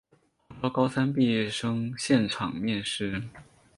号召高三毕业生现场面试